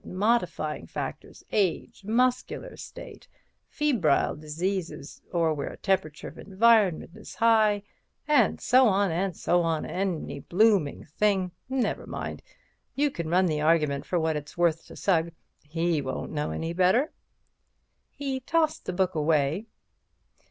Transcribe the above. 'Modifying factors—age—muscular state—or febrile diseases—or where temperature of environment is high'—and so on and so on—any bloomin' thing. Never mind. You can run the argument for what it's worth to Sugg. He won't know any better." He tossed the book away.